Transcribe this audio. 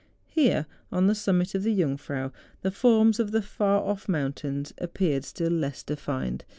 Here, on the summit of the Jungfrau, the forms of the far off mountains appeared still less defined.